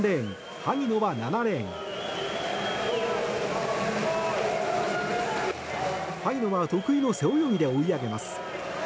萩野は得意の背泳ぎで追い上げます。